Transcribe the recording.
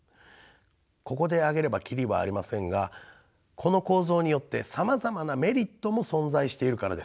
ここで挙げれば切りはありませんがこの構造によってさまざまなメリットも存在しているからです。